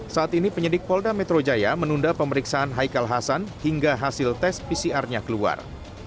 saat ini penyidik polda metro jaya menunda pemeriksaan haikal hasan hingga hasil tes pcr nya keluar